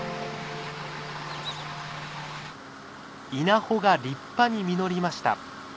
稲穂が立派に実りました。